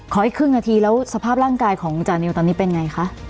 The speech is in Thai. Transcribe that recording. อีกครึ่งนาทีแล้วสภาพร่างกายของจานิวตอนนี้เป็นไงคะ